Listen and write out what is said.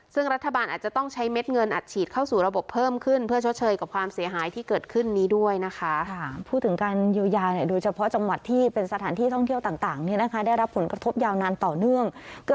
ซึ่งรัฐบาลอาจจะต้องใช้เม็ดเงินอัดฉีดเข้าสู่ระบบเพิ่มขึ้น